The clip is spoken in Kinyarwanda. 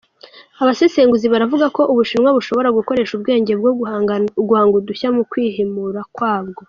Abasesenguzi baravuga ko Ubushinwa bushobora gukoresha ubwenge bwo guhanga udushya mu kwihimura kwabwo.